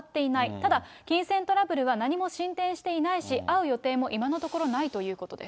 ただ、金銭トラブルは何も進展していないし、会う予定も今のところないということです。